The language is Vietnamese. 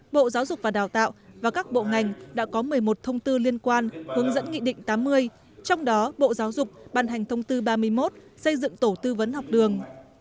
bộ giáo dục và đào tạo và các bộ ngành đã có một mươi một thông tư liên quan hướng dẫn nghị định tám mươi trong đó bộ giáo dục ban hành thông tư ba mươi một xây dựng tổ tư vấn học đường